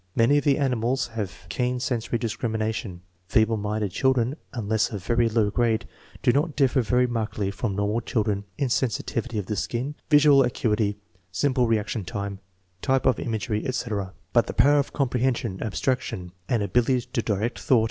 "Many of the animals have keen sensory discrimination. Feeble minded children, unless of very low grade, do not differ very markedly from normal children in sensitivity of the skin, visual acuity, simple reliction time, type of imagery, etc, j But in power of com prehension, abstraction, and ability to direct thought.